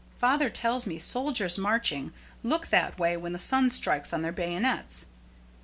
Father tells me soldiers marching look that way when the sun strikes on their bayonets.